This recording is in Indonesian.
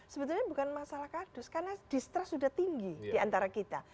sebenarnya bukan masalah kardus karena distrust sudah tinggi di antara kita